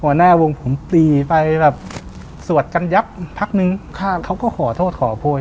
หัวหน้าวงผมปรีไปแบบสวดกันยับพักนึงเขาก็ขอโทษขอโพย